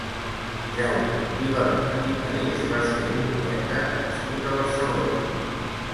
Jaume Pibernat i Parés va ser un poeta nascut a Barcelona.